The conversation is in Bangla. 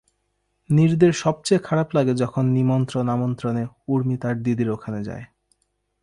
নীরদের সব চেয়ে খারাপ লাগে যখন নিমন্ত্রণ-আমন্ত্রণে ঊর্মি তার দিদির ওখানে যায়।